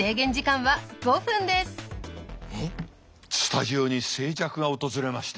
スタジオに静寂が訪れました。